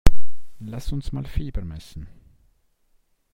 Lass uns mal Fieber messen!